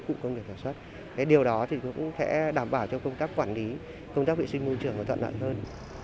cụ công nghiệp sản xuất điều đó cũng đảm bảo cho công tác quản lý công tác vệ sinh môi trường tận nặng hơn